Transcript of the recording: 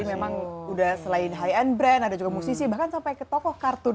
memang udah selain high end brand ada juga musisi bahkan sampai ke tokoh kartun